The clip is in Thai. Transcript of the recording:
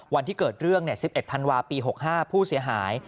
วันที่เกิดเรื่อง๑๑ธันวาปี๖๕ผู้เสียหาย